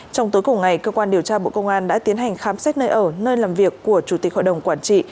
trong tối cùng ngày cơ quan điều tra bộ công an đã tiến hành khám xét nơi ở nơi làm việc của chủ tịch hội đồng quản trị